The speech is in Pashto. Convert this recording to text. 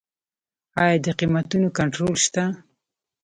آیا د قیمتونو کنټرول شته؟